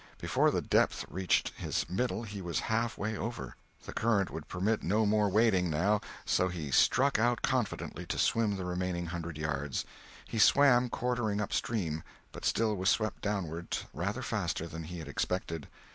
Before the depth reached his middle he was halfway over; the current would permit no more wading, now, so he struck out confidently to swim the remaining hundred yards. He swam quartering upstream, but still was swept downward rather faster than he had expected.